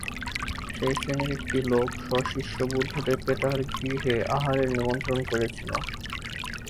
সেই শ্রেণীর একটি লোক সশিষ্য বুদ্ধদেবকে তার গৃহে আহারের নিমন্ত্রণ করেছিল।